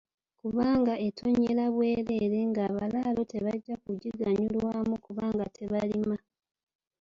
Kubanga etonnyera bwereere nga abalaalo tebajja kugiganyulwamu kubanga tebalima.